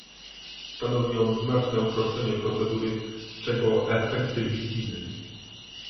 Stanowi on znaczne uproszczenie procedury, czego efekty widzimy